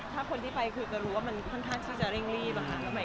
ท่านที่ไปเราก็รู้ว่าเราก็ต้องเร่งรีบ